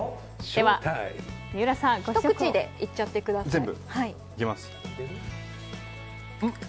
では三浦さんひと口でいっちゃってください。